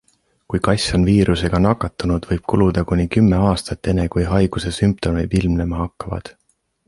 Kui kass on viirusega nakatunud, võib kuluda kuni kümme aastat, enne kui haiguse sümptomid ilmnema hakkavad.